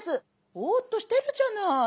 「ボーッとしてるじゃない？